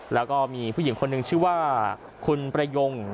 แล้วก็มีผู้หญิงคนหนึ่งชื่อว่าคุณประยง